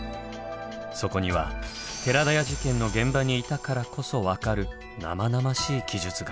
そこには寺田屋事件の現場にいたからこそ分かる生々しい記述が。